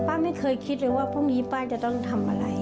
ไม่เคยคิดเลยว่าพรุ่งนี้ป้าจะต้องทำอะไร